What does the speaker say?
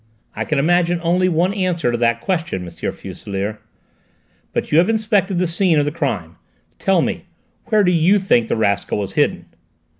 "I can imagine only one answer to that question, M. Fuselier. But you have inspected the scene of the crime: tell me first, where do you think the rascal was hidden?"